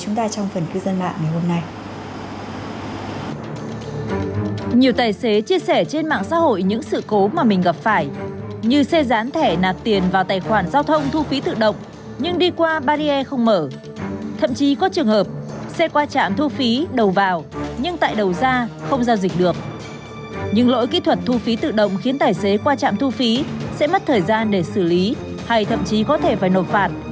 những lỗi kỹ thuật thu phí tự động khiến tài xế qua trạm thu phí sẽ mất thời gian để xử lý hay thậm chí có thể phải nộp phản